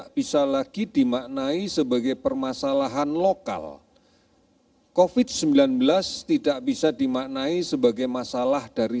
kita harus memberikan contoh agar kita bisa melaksanakan normal yang baru